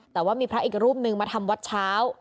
แต่ว่ามีพระอีกรูปนึงมาทำวัดเช้า